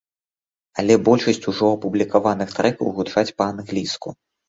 Але большасць ужо апублікаваных трэкаў гучаць па-англійску.